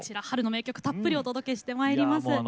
春の名曲をたっぷりお届けしてまいります。